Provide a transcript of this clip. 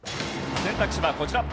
選択肢はこちら。